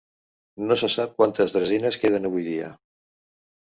No se sap quantes dresines queden avui dia.